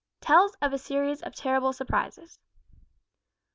TELLS OF A SERIES OF TERRIBLE SURPRISES.